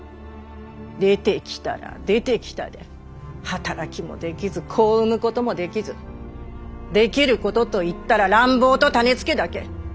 出てきたら出てきたで働きもできず子を産むこともできずできることと言ったら乱暴と種付けだけ！